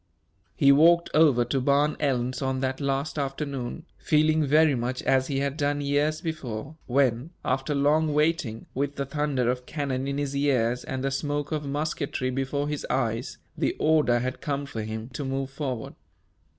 He walked over to Barn Elms on that last afternoon, feeling very much as he had done years before, when, after long waiting, with the thunder of cannon in his ears and the smoke of musketry before his eyes, the order had come for him to move forward.